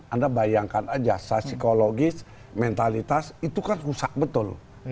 anda bayangkan aja secara psikologis mentalitas itu kan rusak betul